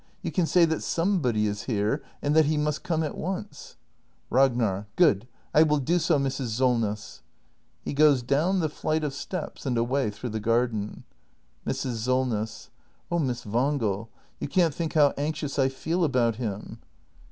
You can say that somebody is here, and that he must come at once. Ragnar. Good. I will do so, Mrs. Solness. [He goes down the flight of steps and away through the garden. Mrs. Solness. Oh, Miss Wangel, you can't think how anxious I feel about him.